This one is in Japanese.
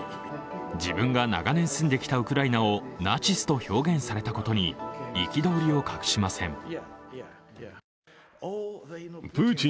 自分が長年住んできたウクライナをナチスと表現されたことに憤りを隠しません。